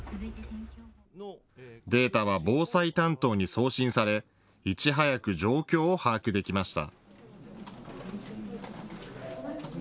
データは防災担当に送信されいち早く状況を把握できました。